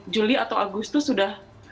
juli atau agustus sudah